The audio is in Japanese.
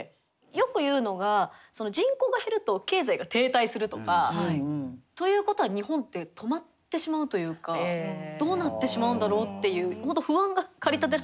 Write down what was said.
よく言うのが人口が減ると経済が停滞するとか。ということは日本って止まってしまうというかどうなってしまうんだろうっていう本当不安が駆り立てられる感じですね。